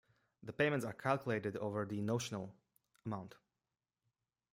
The payments are calculated over the "notional" amount.